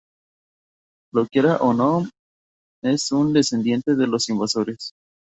Lo quiera o no, es un descendiente de los invasores